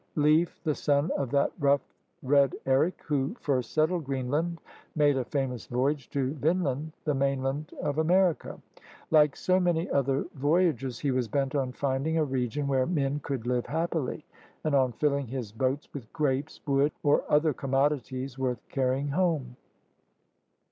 Leif , the son of that rough Red Eric who first settled Greenland, made a famous voyage to Vinland, the mainland of America. Like so many other voyagers he was bent on finding a region where men could live happily and on filling his boats with grapes, wood, or other commodities worth carrying home.